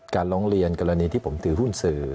ร้องเรียนกรณีที่ผมถือหุ้นสื่อ